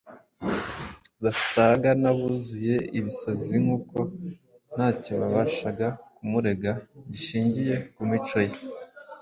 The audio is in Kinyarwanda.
Basaga n’abuzuye ibisazi, kuko ntacyo babashaga kumurega gishingiye ku mico ye